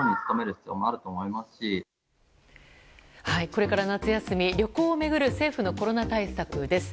これから夏休み、旅行を巡る政府のコロナ対策です。